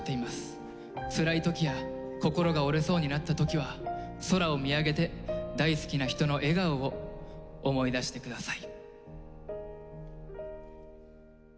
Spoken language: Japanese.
つらい時や心が折れそうになった時は空を見上げて大好きな人の笑顔を思い出して下さい。